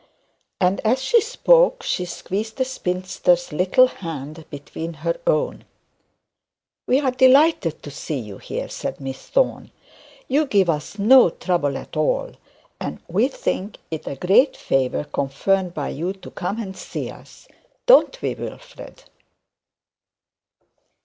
And as she spoke she squeezed the spinster's little hand between her own. 'We are delighted to see you here,' said Miss Thorne; 'you give us no trouble at all, and we think it a great favour conferred by you to come and see us; don't we, Wilfred?'